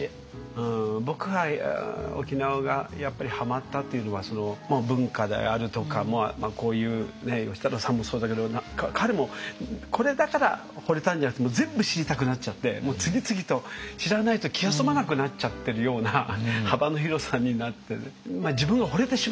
うん僕は沖縄がハマったっていうのは文化であるとかこういう芳太郎さんもそうだけど彼もこれだからほれたんじゃなくて全部知りたくなっちゃって次々と知らないと気が済まなくなっちゃってるような幅の広さになってる。